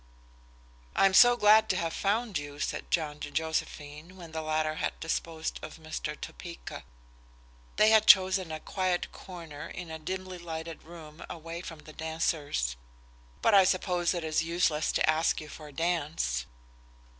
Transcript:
"I am so glad to have found you," said John to Josephine, when the latter had disposed of Mr. Topeka. They had chosen a quiet corner in a dimly lighted room away from the dancers. "But I suppose it is useless to ask you for a dance?"